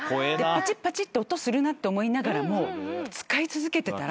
パチッパチッて音するなって思いながらも使い続けてたら。